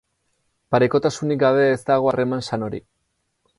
Parekotasunik gabe ez dago harreman sanorik.